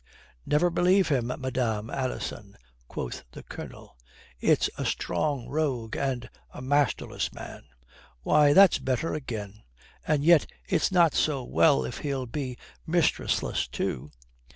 "Never believe him, Madame Alison." quoth the Colonel. "It's a strong rogue and a masterless man," "Why, that's better again. And yet it's not so well if he'll be mistressless too."